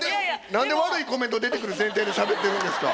何で悪いコメント出てくる前提でしゃべってるんですか？